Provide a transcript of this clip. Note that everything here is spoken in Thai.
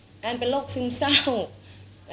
เครียดอันเป็นโรคซึ้มเศร้า